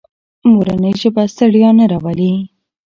مورنۍ ژبه ستړیا نه راولي.